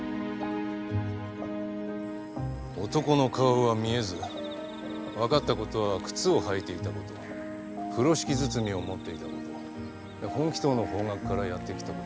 男の顔は見えず分かった事は靴を履いていた事風呂敷包みを持っていた事本鬼頭の方角からやって来た事。